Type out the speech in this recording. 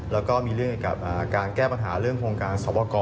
แล้วก็มีเรื่องกับการแก้ปัญหาเรื่องโครงการสอบประกอบ